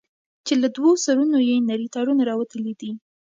چې له دوو سرونو يې نري تارونه راوتلي دي.